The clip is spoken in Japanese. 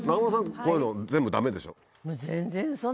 こういうの全部ダメでしょ？